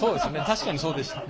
確かにそうでした。